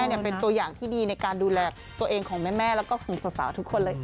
เป็นตัวอย่างที่ดีในการดูแลตัวเองของแม่แล้วก็ของสาวทุกคนเลยค่ะ